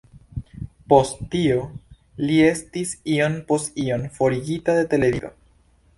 Post tio, li estis iom post iom forigita de televido.